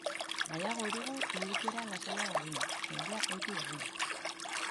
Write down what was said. Nahiago dugu irekiera lasaiagoa egin, jendea ohitu dadin.